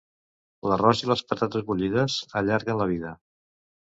L'arròs i les patates bullides allarguen la vida.